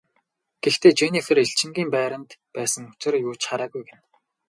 Гэхдээ Женнифер элчингийн байранд байсан учир юу ч хараагүй гэнэ.